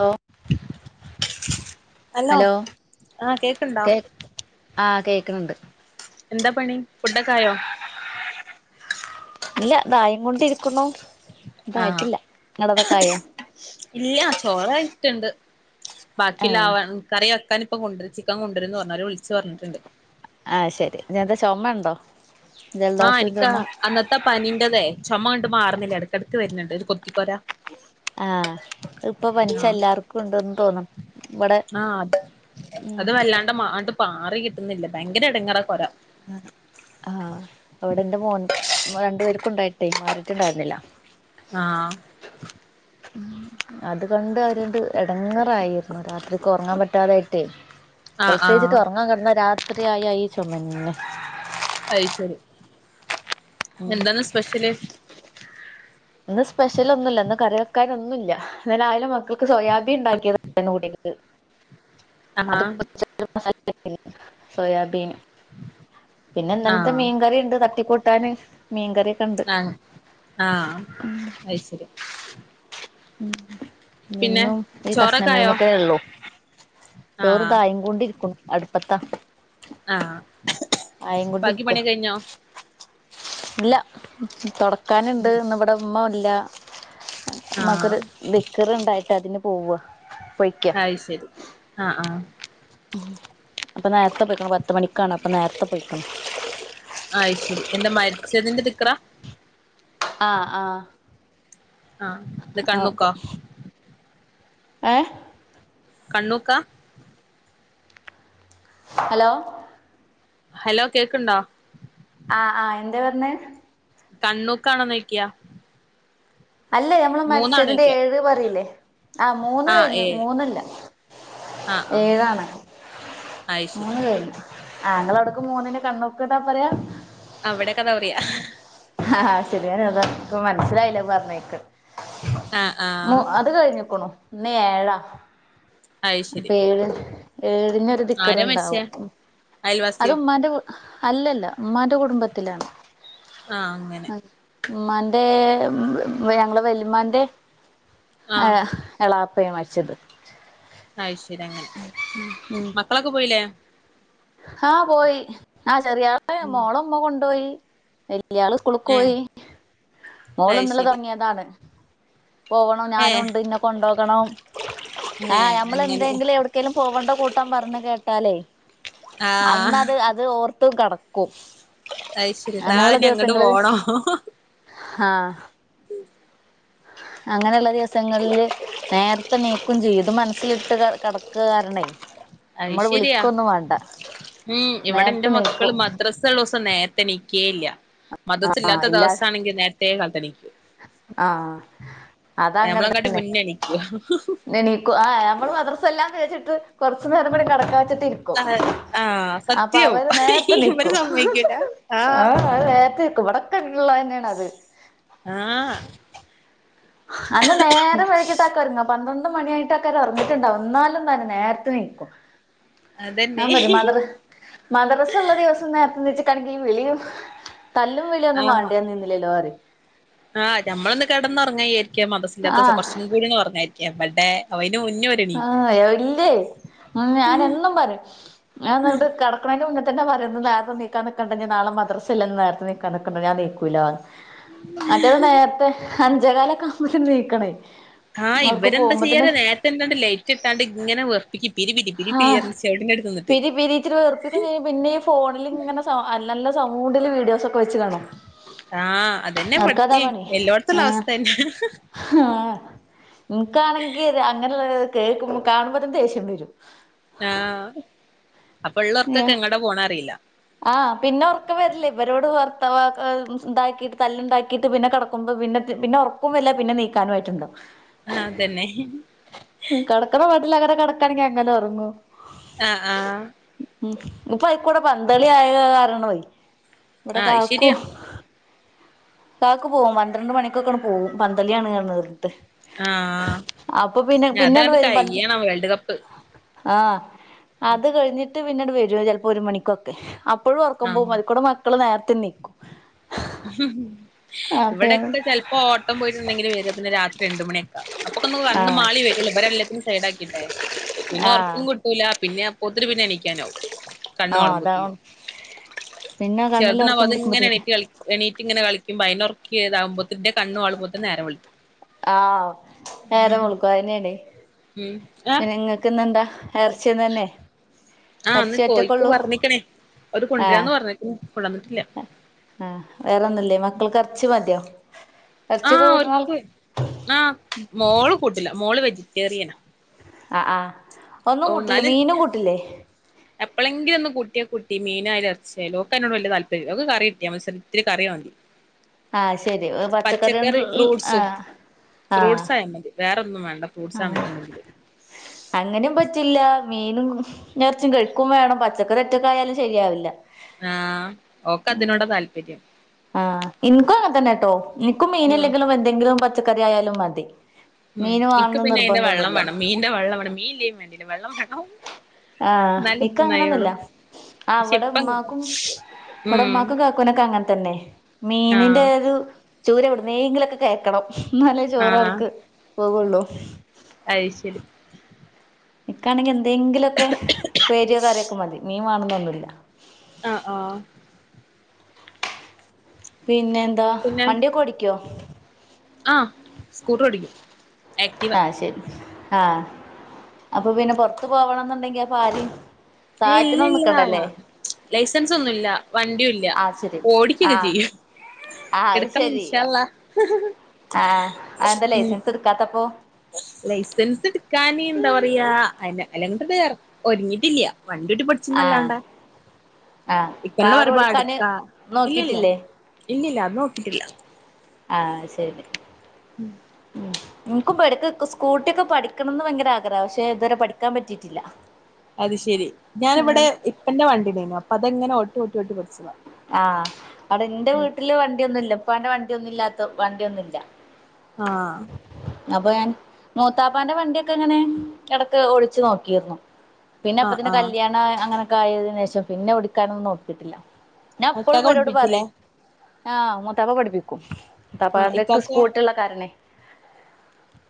ലേ hello, ആഹ് കേക്ക്ണ്ടോ കേ ആ കേക്ന്ണ്ട് എന്താ പണി ഫുഡൊക്കെ ആയോ [unintelligible] ഇല്ല ഇദായി കൊണ്ടിരിക്കുന്നു ആ, ഇതായിട്ടില്ല നിങ്ങടതൊക്കെ ആയോ ഇല്ല ചോറായിട്ടുണ്ട് ആഹ് ബാക്കില്ലാവാ കറി വെക്കാൻ ഇപ്പ കൊണ്ടുവരും, ചിക്കൻ കൊണ്ടുവരന്ന് പറഞ്ഞ്, ഓരേ വിളിച്ച് പറഞ്ഞിട്ടുണ്ട്. ആ, ശരി, ഇനിന്ത ചുമ ഉണ്ടോ? ആ, ജലദോഷം എനിക്ക് അ ചുമ അന്നത്തെ പനീന്റതേ ചുമ ങ്ങൊട്ട്, മാറുന്നില്ല ഇടക്കിടക്ക് വരുന്നുണ്ട് ഒരു കൊത്തിക്കൊര ആ, ഇപ്പൊ പനിച്ച ആഹ് എല്ലാർക്കും ഉണ്ടന്ന് തോന്നുന്നു, ഇവിടെ ഉം മാണ്ട് മാറി കിട്ടുന്നില്ല ഭയങ്കര ഇടങ്ങേറ കൊര ആ, അവിടെ എന്റെ മോൻ രണ്ടു പേർക്കുംഉണ്ടായിട്ടേ മാറിട്ടുണ്ടായിരുന്നില്ല. ആ അത്കണ്ട് അവരണ്ട് എടങ്ങറായിന്നു രാത്രിക്ക് ഉറങ്ങാൻ പറ്റാതായിട്ടേ ആഹ് പ്രത്യേകിച്ചിട്ട് ആഹ് ഉറങ്ങാൻ കിടന്ന രാത്രിആയയി ചുമന്നെ അയ്ശരി ഉം എന്താണ് സ്പെഷ്യല് ഇന്ന് സ്പെഷ്യലൊന്നുല്ല ഇന്ന് കറി വെക്കൻ ഒന്നുല്ല്യ ന്ന് രാവിലെ മക്കൾക്ക് സോയാബി ണ്ടാക്കിയത് ആഹാ [unintelligible] സോയാബീൻ പിന്നെന്നലത്തെ ആഹ് മീൻകറിണ്ട് തട്ടിക്കൂട്ടാന് മീൻകറിയൊക്കെ ആഹ അയ് ശരി മ് പിന്നെ എന്നും ഈ ചോറൊക്കായോ കഷ്ണമീനൊക്കെ ഉള്ളൂ ആഹ് ചെറുതായ് കൊണ്ടിരിക്ക അടുപ്പത്ത ആഹ ബാക്കി കൊണ്ടിരിക്ക പണിക്കെ കഴിഞ്ഞോ ഇല്ല തൊടക്കാനുണ്ട് ഉം ന്നിവിടെ മ്മ ഇല്ല ആഹ് മാക്കൊരു ദിക്ർണ്ടായിട്ട് അതിന് പോവാ പൊയ് അയ്ശെരി ആ ആ അപ്പൊ നേരത്തെ പോയിക്ക്ണ് പത്തുമണിക്കാണ് അപ്പൊ നേരത്തെ പോയിക്ക്ണ് ആ അയ്ശരി എന്താ മരിച്ചതിന്റെ ദിക്റാ ആഹ ആഹ ആഹ് ഇത് ആ അപ്പ കണ്ണൂക്കോ ഏഹ കണ്ണൂക്ക ഹലോ ഹലോ കേക്ക്ണ്ടോ ആഹ് ആഹ് എന്തെ പറഞ്ഞ് കണ്ണൂക്കാണോ നൊയ്ക്യാ അല്ലേ നമ്മള് മരിച്ചതിന്റെ മൂന്നാണോയ്ക്ക ഏഴ് പറയില്ലേ ആ മൂന്ന് ആഹ് കയ്ഞ് ഏഹ് മൂന്നല്ല ആഹ് ആഹ് ഏഴാണ് അയ് ശരി മൂന്ന് കയ് ആ ങ്ങളവിടക്കെ മൂന്നിന് കണ്ണൂക്ക്ന്ന പറയാ അവിടെക്കെതാ പറിയ ആഹ അയ്ശരിയ ഞാനതാ ഇപ്പ മനസ്സിലായില്ലോ പറഞ്ഞേക്ക് ആഹ് മു ആഹ് അത് കഴിഞ്ഞിക്കണു ഇന്ന്ഏഴാ അയ് ശരി അപ്പൊ ഏഴ് ഏഴിനൊരു ആരാ മരിച്ചേ ദിക്കർണ്ടാവും അത് അയൽവാസിയോ ഉമ്മാന്റെകു അല്ലല്ല മ്മാന്റെ കുടുംബത്തിലാണ് ആ അങ്ങനെ മ്മാന്റെ ഞങ്ങള് വലുമാന്റെ ആ ആഹ് എളാപ്പേ മരിച്ചത് അയ്ശരി അങ്ങനെ മക്കളൊക്കെ പോയില്ലേ ആഹ് പോയി ആ ചെറിയാളെ ഉം ഓളെമ്മ കൊണ്ടോയി വല്യാള് ഏഹ് സ്‌കൂൾക്കോയി ഓൾ അയ് ശരി ഇന്നലെതുടങ്ങിയത് പോണം ഏ ഞാനുണ്ട് ന്നെ കൊണ്ടോകണം ആ ഏ നമ്മൾ അങ്ങനെ എന്തെങ്കിലും എവിട്ക്കേങ്കിലും പോകണ്ട കൂട്ടം പറഞ് കേട്ടാലേ ആഹ് അന്നത് അത് ഓർത്തു കിടക്കും അയ്ശരി നാളെഞങ്ങട്ട് പോണ ആഹ [unintelligible] അങ്ങനെള്ള ദിവസങ്ങളില് നേരത്തെ നീക്കും ചെയും ത് മനസ്സിലിട്ട് കെടക്ക കാരണയ് നമ്മള് വിളിക്കൊന്നും വേണ്ട ആഹ് ഇവിടെ നേരത്തെ ന്റെ മക്കള് നീക്കും മദ്രസ ള്ള ദിവസം നേരത്തെ നിക്കേ ഇല്ല ആഹ് മദ്രസില്ലാത്ത ദിവസാണെങ്കിൽ നേരത്തേകാലത്ത് എണീക്കും ആഹ അതങ്ങനെ മുന്നണീകും നണീക്കും ആ നമ്മള് മദ്രസഇല്ലാ ന്നചിട്ട് കൊറച്ചു നേരംകൂടി കെടക്കാച്ചിട്ട് ഇരി ആഹ് ആഹ് അപ്പൊ സത്യം അവര് നേരത്തെ ഇവര് നീക്കൂ ഹി സമ്മതിക്കൂല ആ ആഹ് അവര് നേരത്തെ നീക്കും ഇവിടെ. ള്ളത് തന്നെയാണ് അത് ആഹ് അന്ന് നേരെ വൈകിട്ട കെടന്ന പന്ത്രണ്ട് മണിയായിട് ആക്കാരും ഉറങ്ങിട്ടുണ്ടാവ ഇന്നാലും തന്നെ നേരത്തെ നീക്കും. ഞാൻ അതന്നെ പറയും മദർ മദ്രസ് ഇള്ള ദിവസം നേരത്തെ നീ [unintelligible] ഈ വിളിയും തല്ലും വിളിഒന്നും ആഹ് വാണ്ടിയ നിന്നില്ലല്ലോപറയും. ആഹ് നമ്മളൊന്ന് കിടന്നൊറങ്ങായിരിക്കും മദ്രസില്ലാത്തീസം ആഹ് കുറച്ചും കൂടിന്ന് ഉറങ്ങാരിതിക്കും എവിടെ ആയിന് മുന്നേ. ഓര് ആ എണീക്കും ഇല്ലേ ഉം ഞാന് എന്നും പറയും ഞാൻ എന്നിട്ട് കെട കെടക്ക്ണീന്റെ മുന്ന ത്തന്നെ പറയും നേരത്തെ നീക്കാ നിക്കണ്ട നാളെ മദ്രസൽല്ലന്ന് നേരത്തെ നീക്കാ നക്കണ്ട ഞാ നീക്കൂലാന്. മറ്റേത് നേരത്തെ അഞ്ചേ കാലൊക്കെ ആകുപോത്തിന് നീക്കണേ. ആഹ് അവർക്ക് ഇവരെന്ത പോകുമ്പത്തിന് ചെയ്യാറിയോ നേരത്തെ എന്താണ്ട് ലേറ്റ് ഇട്ടാണ്ട് ഇങ്ങനെ വെറുപ്പിക്കും പിരി. പിരി ഹാ പിരി പറഞ്ഞ് ചെവിടിന്റെടുത്ത് നിന്നിട്ട് പിരി പിരി ഇച്ചരി വെറപ്പിക്ക പിന്നെ ഈ ഫോണിൽ ഇങ്ങനെ സം നല്ല സൗവൂണ്ടില് വീഡിയോസ്. ആഹ് അതന്നെ [unintelligible] അവർക്കതാ ഇവടത്തേം പണി ആ എല്ലോടത്തുള്ള അവസ്ഥ തന്നെ ആഹ ഇന്ക്കാണെങ്കിൽ അങ്ങനെയുള്ള കേക്കുമ്പ കാണുമ്പോത്തന്ന ദേഷ്യം വരും. ആ് അപ്പ ഇള്ളർക്കൊക്കെ വരും എങ്ങട്ട പോ ണെ അറില്ല. ആഹ് പിന്നെ ഒറക്കം വരില്ലേ ഇവരോട് വർത്ത് [unintelligible] ഇണ്ടാക്കിട്ട് തല്ലുണ്ടാക്കിട്ട് പിന്നെ കിട പിന്ന പിന്നെ ഉറക്കും വരൂല്ല പിന്നെ നീക്കാനും ആയിട്ടുണ്ടാവും. ആഹ് അതെന്നെ മ് കടക്കണ മട്ടിൽഅങ്ങനെ കടക്കാണെങ്കിൽ അങ്ങനെ ഉറങ്ങു. ആഹ് ആഹ ഉം ഇപ്പൊ അയ്ക്കൂടെ പന്തളി ആയോ പറഞ്ഞാണ്ട് പോയി. ഇന്നലെ ആഹ് അത് കാക്കു. ശരിയാ കാക്ക് പോവും പന്ത്രണ്ട് മണിക്കൊക്കണ് പോവും പന്തളിയാണ് കാണുന്നത്. ആഹ് അപ്പൊ പിന്നെ ഇനി പിന്നൊണ്ട് അതങ്ങട് വരുമ്പ കഴിയണം വേൾഡ് കപ്പ് ആഹ് അത് കഴിഞ്ഞിട്ട് പിന്നീട് വരൂ ചിലപ്പോ ഒരു മണിക്കൊക്കെ. ഇപ്പോഴും ഉറക്കുമ്പോൾ അതിക്കൂടെ മക്കള് നേരത്തെ നിക്കും. ഹി ഇവിടെക്ക ചെ ഇപ്പോ ഓട്ടം പോയിട്ടുണ്ടെങ്കിൽ വര പിന്നെ രാത്രി രണ്ട മണിയക്ക അപ്പൊ ഒന്ന് വന്ന് ആഹ് മാളി വരള്ളൂ ഇവരല്ലേ. സൈഡ് ആക്കിട്ടെ പിന്നെ ആഹ് ഒറക്കും കിട്ടൂല പിന്നെ അപ്പോത്തിനി പിന്നെ എണിക്കാനാവും കണ്ണ് ആഹ് മാളുമ്പോത്തിന്. അതാണ് പിന്നെ കണ്ണില് ഒറക്കം [unintelligible] പിടിക്കുമ്പോത്തേക്ക് എണീറ്റ് ഇങ്ങനെ കളിക്ക്പോ അതിനൊറക്കിതാകുമ്പോത്തിന് ഇന്റെ കണ്ണ് മാള് പോത്തിന് നേരം വെളുത്തു ആഹ് നേരെ വെളുക്കും അതെനെയാണ്. ഉം ഏഹ ഇങ്ങക്ക് ഇന്ന്ന്താ? ഇർച്ചി തന്നെ. ആഹ് ഇന്ന് എറച്ചി കോയിക്ക് ഒറ്റക്കൊള്ളൂ പറഞ്ഞിക്ക്ണ് ഓല് കൊണ്ടരാന്ന് പറഞ്ഞിക്ക്ണ് കൊണ്ടന്നിട്ടില്ല. ആഹ വേറെന്നുംല്ലേ മക്കൾക്ക് ഇറച്ചി മതിയോ? എറച്ചിയൊക്കെ ആഹ് കൂട്ടണാൾ ഒക്ക് ആ മോള് കൂട്ടില്ല മോള് വെജിറ്റേറിയനാ. ആ് ആ ഒന്നും ഓഹ് കൂട്ടില്ല ഇന്നാലും മീനും കൂട്ടില്ലേ? എപ്പളെങ്കിലും ഒന്ന് കൂട്ടിയ കുട്ടി മീനായാലും ഇറച്ചിയാ യാലോക്കെ ഓക്കയി നോട് വല്യ താല്പര്യല്ല ഓക്ക് കറി കിട്ടിയാ മതി പക്ഷേ ഒത്തിരി വേണം ആഹ അയ് ശരി പച്ചക്കറി പച്ചക്കറിയോണ്ട്ള്ള ആഹ ആഹ വേറെ ഒന്നും വേണ്ട ഫ്രൂട്ട്സ് ആണ് ഉണ്ടെങ്കിലും അങ്ങനെയും പറ്റില്ല മീനും. മീനും എറച്ചിം കഴിക്കും വേണം പച്ചക്കറി ഒറ്റക്കായാലും ശരിയാവില്ല. ആഹ് ഓക്ക് അതിനോട താല്പര്യം ആഹ് ഇനിക്കും അങ്ങെനെ തന്നാട്ടോ ഇനിക്കും ഉം മീനില്ലെങ്കിലും എന്തെങ്കിലും പച്ചക്കറി ആയാലും മതി. മീൻ വേണോന്ന് നിർബന്ധം ഒന്നുല്ല മീനിന്റെ വള്ളം വേണം മീൻ ഇല്ലെലും വെണ്ടില്ല വള്ളം വേണം. ആഹ് എന്നാലെ ഇക്ക് തിന്നായോളൂ അങ്ങനൊന്നുല്ല അ പക്ഷെ ഇവിടെ ഇപ്പം ഇമ്മാക്കും. ഇവടെ ഉം മ്മാക്കും കാക്കൂനൊക്കെ അങ്ങൻ തന്നെ. മീനിന്റെ ആഹ് ഒരു ചൂര എവ്ട്ന്നേങ്കിലൊക്കെ കേക്കണം. ന്നാലെ ചോറ് അവർക്ക് പോകൊള്ളൂ. അയ് ശരി. ഇക്കാണെങ്കി എന്തേങ്കിലൊക്കെ പ്പേരിയോ, കറിയൊക്കെ മതി. മീൻ വാണന്നൊന്നുല്ല. ആഹ് ആഹ് പിന്നെ എന്താ. പിന്നെ വണ്ടിയൊക്കെ ഓടിക്കൊ? ആഹ്. സ്കൂട്ടർ ഓടിക്കും. ആക്റ്റീവ ആഹ് ശരി. ആഹ്. അപ്പൊ പിന്നെ പൊർത്ത് പോവണംന്ന്ണ്ടെങ്കി അപ്പൊ ആര് ഏ ഇല്ലല്ലാ. ലൈസൻസൊന്നുല്ല. വണ്ടിയുല്ല്യ. ആഹ് ശരി ഓടിക്കൊക്കെ ആഹ് ആഹ് ചെയ്യും. അത് എടുക്കണം ശരി ഇൻഷാ അള്ളാ ആഹ്. അന്താ ലൈസൻസ് ഇട്ക്കാത്തപ്പോ? ലൈസൻസ്ട്ക്കാന് ന്താപറയാ അന്ന അല്ല [unintelligible] ഒര്ങ്ങിട്ടില്ല്യ. വണ്ടിയോട്ടി പഠി ച്ച് ആഹ് ന്നല്ലാണ്ടെ ആഹ് കാർ ഇക്കനൊപറയ്മ്പ ഓടിക്കാന് ആട്ക്കാ ഇല്ല്യല്ല. നോക്കിട്ടില്ലേ ഇല്ലില്ല. അത് നോക്കിയിട്ടില്ല. ആഹ് ശരി. ഉം. ഇൻക്കും പഠിക്കൊക്കെ. സ്കൂട്ടി ഒക്കെ പഠിക്കണംന്ന് വയങ്കര ആഗ്രഹാ. പഷെ ഇതുവരെ പഠിക്കാൻ പറ്റിയിട്ടില്ല. അത് ശെരി. ഞാന് വടെ ഇപ്പന്റെ വണ്ടിണ്ടേര്ന്നു. അപ്പതങ്ങനെ ഓട്ടി ഓട്ടി ഓട്ടി പഠിച്ചതാ. ആഹ്. അവ്ടെ ന്റെ വീട്ടില് വണ്ടിയൊന്നുല്ല. ഇപ്പാന്റെ വണ്ടിയൊന്നുല്ലാത്ത വണ്ടിയൊന്നുല്ല. ആഹ് അപ്പൊ ഞാൻ മൂത്താപ്പാന്റെ വണ്ടിയൊക്കെ ങ്ങനെ എടക്ക് ഓ ടിച്ച് നോക്കിര്ന്നു. പിന്നെ ആഹ് അപ്പത്തിൻ്റെ ആഹ് കല്യാണാ അങ്ങനെക്കായതിനേഷം പിന്നെ ഓടിക്കാനൊന്നും നോക്കിയിട്ടില്ല. ഞാ ഇപ്പോഴും ഇക്കാക്ക വരോട് പഠിപ്പിച്ചില്ലേ പറിം ആഹ്. മുത്താപ്പ പഠിപ്പിക്കും. ആഹ് മുത്താപ്പാന്തക്ക് ഇക്കാക്ക സ്കൂട്ടിള്ള കാരണെ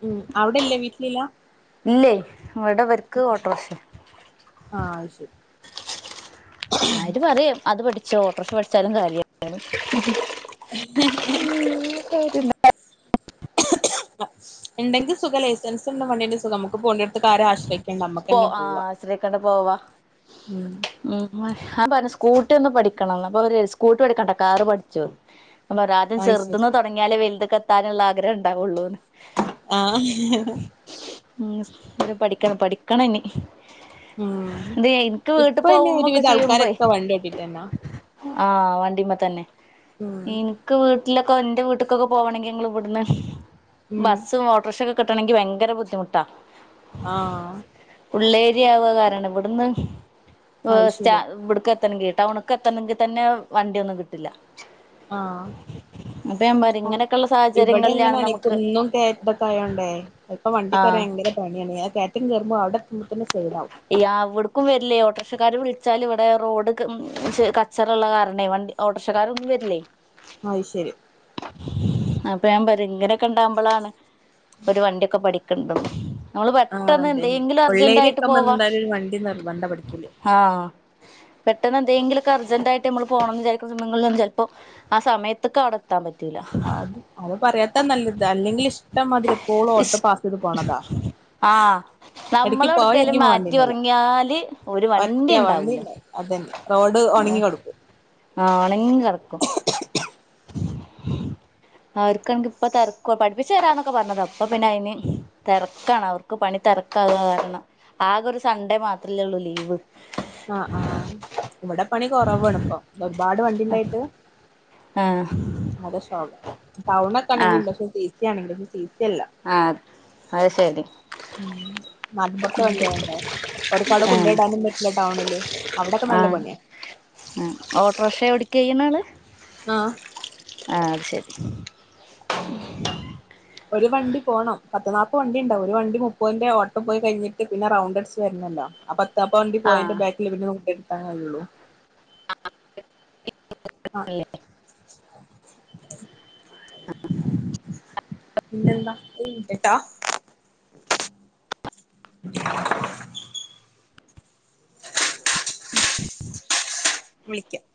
ഉം. അവ്ടെല്ലേ വീട്ടിലില്ലാ? ഇല്ലേ. [unintelligible] വരും ആഹ് ശരി. ആത് പറയും അത് പഠിച്ചോ ഓട്ടോർഷ പഠിച്ചാലും കാര്യ [unintelligible] [unintelligible] പേടിണ്ടാ? ആ ഉണ്ടെങ്കിൽ സുഖ ലൈസൻസ് ഉള്ള വണ്ടിന്റെ സുഖം നമു ക്കുപോണ്ടി ത്ക്കെ അരെ ആശ്രയിക്കണ്ട. പോ അമ്മക്കന്നെ പോവ. ആഹ് ആശ്രയിക്കാണ്ട് പോവാ മ് ഉം. ആംപർഞ്ഞ് സ്കൂട്ടി ഒന്ന് പഠിക്കണംന്ന്. അപ്പൊ അവര് സ്കൂട്ടി പഠിക്കടണ്ട. കാറ് പഠിച്ചോ ഞാൻ പറഞ്ഞു ആദ്യം അത് ശരി ചെറുതന്ന് തുടങ്ങിയാലേ വലുത കത്താനുള്ള ആഗ്രഹം ഉണ്ടാവുള്ളൂന്ന്. ആഹ് ഉ ഇത് പഠിക്കണം പഠിക്കണം ഇനീ ഉം ത് ഇൻക്ക് വീട്ട് ഇപ്പൊ പിന്നെ പോകുമ്പൊ ക്കെ ഒരുവിധം ചെയ്യുമ്പെ ആൾക്കാരൊക്കെ വണ്ടി ഓട്ടിട്ടന്നാ ആഹ്. വണ്ടിമ്മതന്നെ. ഉം ഇൻ ക്ക് വീട്ടിലൊക്കെ ന്റെ വീട്ട്ക്കൊക്കെ പോവണെങ്കി ങ്ങള് ഇവട്ന്ന് ഉം ബസ്സും, ഓട്ടോർഷക്കെ ക് ട്ടണെങ്കി ഭയര ബുദ്ധിമുട്ടാ. ആഹാ പള്ളേരിയാവ് വ കാരാണെ. ഇവട്ന്ന് ഓ അത് സ്റ്റാ ശരിയാ വ്ട്ക്ക് എത്തണെങ്കി ടൗണ് എത്തണെങ്കിൽ തന്നെ വണ്ടിൊന്നും കിട്ടില്ല. ആഹ് അപ്പം യാംപറിം ഇങ്ങനെക്കെള്ള ഇപടെ ഇങ്ങനെ ആണ്. ക്കൊന്നും കേയറ്റക്കയോണ്ടേ ഇപ്പൊ വണ്ടിക്കെര ആഹ് വയങ്കര പണിയാണ്ണീ. ആ കേറ്റൊക്കെ കേറുമ്പൊ അവ്ടെത്തുമ്പ തന്നെ സൈടാവും. യാ അവ്‌ട്ക്കും വരില്ലേ. ഓട്ടോറക്ഷക്കാര് വിൾച്ചാലും ഇവടെ റോഡ്ക്ക് മ് ച് കച്ചറള്ള കാരണേ വണ്ടി ഓട്ടോർഷക്കാരൊന്നൊര്ല്ലേ? അയ്ശരി. അപ്പ ഞാൻ പറയും ഇങ്ങനെയൊക്കെ ഇണ്ടാവുമ്പോളാണ് ഒരു വണ്ടിയൊക്കെ പഠി [unintelligible] നമ്മള് പെട്ടന്ന് എന്തേങ്കിലും അർജന്റായി പ്പ മ്മള് എന്തായാലും ഒരു വണ്ടി നിർബന്ധ പഠിക്കല് ആഹ് പെട്ടെന്ന് എന്തേങ്കിലൊക്കെ അർജന്റായിട്ട് നമ്മള് പോണംന്ന് വിചാരിക്കുന്ന സമയങ്ങളിൽ ചിലപ്പോ ആ സമയത്ത്ക്ക് അടെ എത്താൻ പറ്റൂല്ല. അത് അത് പറയാത്തതാ നല്ലത് അല്ലെങ്കിൽ ഇഷ്ടംമാതിരി എപ്പോളും ഇഷ് ഓട്ടോ പാസ് ചെയ്ത് പോണതാ. ആഹ് നമ്മൾ ഇടയ്ക്ക് പോവാ എവിടേക്കേലും വിചാരിക്കുമ്പോ മാറ്റി വണ്ടിണ്ടാവില്ല എറങ്ങ്യാല് ഒരു ഒറ്റ വണ്ടിണ്ടാവൂല. വണ്ടിണ്ടാവും അതന്നെ റോഡ് ഒണങ്ങി ഏഹ് കെടക്കും ആണെങ്കി കറക്കും അവർക്ക് ആണെങ്കിപ്പ തെരക്ക്വാ പഠിപ്പിച്ചു തരാന്നൊക്കെ പറഞ്ഞതാ. പ്പ പിന്നെ അയിന് തെരക്കാണ് അവർക്ക് പണി തെരക്കാവേ കാരണം. ആകെ ഒരു സൺഡേ മാത്രല്ലേള്ളൂ ലീവ്. ആഹ് ആഹ് ഇവടെ പണി കൊറവാണ് ഇപ്പം. ഒരുപാട് വണ്ടിണ്ടായിട്ട് ആഹ് [unintelligible] ടൗൺ ഒക്കെ ആഹ് ആണെങ്കിണ്ട് പക്ഷെ സി സി ആണെങ്കില് സി സി അല്ല. ആഹ് അത് ശരി. ഉം [unintelligible] ണ്ടോ ഓര്ക്ക് അവടെ കൊണ്ട് ആഹ് ഇടാനും പറ്റില്ല ടൗണില് അവിടോക്കെ നല്ല പണിയാ. ങ്ഹ് ഓട്ടോർഷ ഓടിക്ക ചെയ്യണ് ആള്? ആഹ് ആഹ് അതു ശരി. ഒരു വണ്ടി പോണം. പത്ത് നാപ്പത് വണ്ടിണ്ടാവും. ഒരു വണ്ടി മുപ്പതിന്റെ ഓട്ടം പോയി കഴിഞ്ഞിട്ട് പിന്നെ റൗണ്ട് അടിച്ച് വരുന്നല്ലോ അപ്പ [unintelligible] വണ്ടി ആ പോയന്റെ ബാക്കിലേ പിന്നെ നമ്മുക്ക് എടുക്കാൻ കയ്യുള്ളൂ. ആഹ് പിന്നെന്താ? ഒരു മിനിറ്റ് ട്ടോ. വിളിക്കാം.